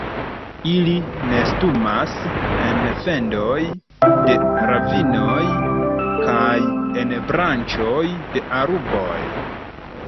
Ili nestumas en fendoj de ravinoj kaj en branĉoj de arboj.